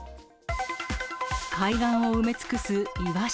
海岸を埋め尽くすイワシ。